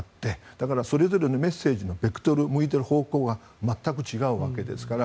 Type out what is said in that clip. だからそれぞれメッセージのベクトル向いている方向が全く違うわけですから。